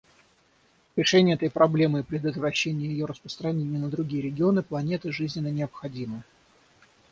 Решение этой проблемы и предотвращение ее распространения на другие регионы планеты жизненно необходимы.